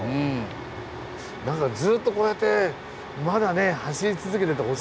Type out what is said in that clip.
何かずっとこうやってまだね走り続けててほしいですよね。